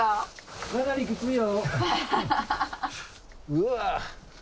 うわ。